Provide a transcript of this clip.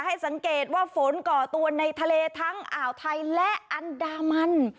ให้สังเกตว่าฝนก่อตัวในทะเลทั้งอ่าวไทยและอันดามัน